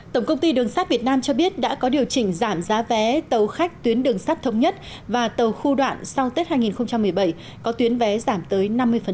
tổng công ty đường sắt việt nam cho biết đã có điều chỉnh giảm giá vé tàu khách tuyến đường sắt thống nhất và tàu khu đoạn sau tết hai nghìn một mươi bảy có tuyến vé giảm tới năm mươi